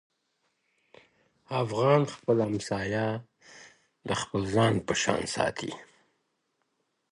افغان خپل همسایه د خپل ځان په شان ساتي.